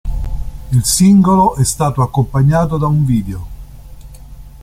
Il singolo è stato accompagnato da un video.